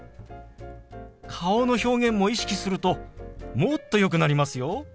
顔の表現も意識するともっとよくなりますよ。